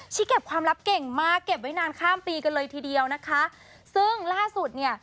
ที่เก็บความลับเก่งมากเก็บไว้นานข้ามปีกันเลยทีเดียวนะคะซึ่งล่าสุดเนี่ย